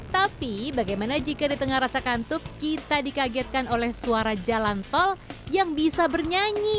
tapi bagaimana jika di tengah rasa kantuk kita dikagetkan oleh suara jalan tol yang bisa bernyanyi